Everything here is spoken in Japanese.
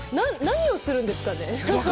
何をするんですかね？